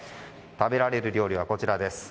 食べられる料理はこちらです。